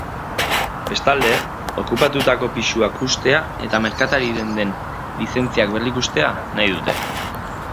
Bestalde, okupatutako pisuak hustea eta merkatari denden lizentziak berrikustea nahi dute.